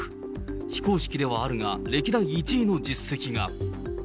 非公式ではあるが、歴代１位の実績が。